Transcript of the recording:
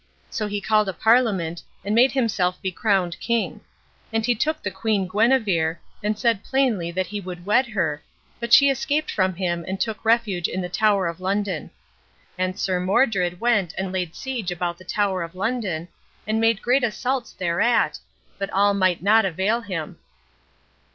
So he called a Parliament, and made himself be crowned king; and he took the queen Guenever, and said plainly that he would wed her, but she escaped from him and took refuge in the Tower of London. And Sir Modred went and laid siege about the Tower of London, and made great assaults thereat, but all might not avail him.